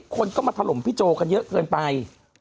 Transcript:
คนก็มาถล่มพี่โจกันเยอะเกินไป